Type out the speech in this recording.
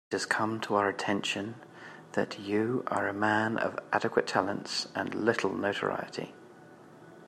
It has come to our attention that you are a man of adequate talents and little notoriety.